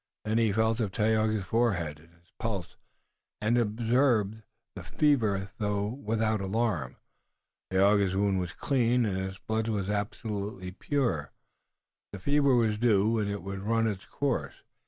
Then he felt of Tayoga's forehead and his pulse, and observed the fever, though without alarm. Tayoga's wound was clean and his blood absolutely pure. The fever was due and it would run its course.